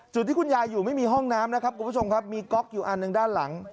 จุดที่คุณยายอยู่ไม่มีห้องน้ำนะครับมีก๊อกอยู่อันนึงด้านหลัง